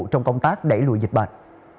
trong công tác đẩy lùi dịch bệnh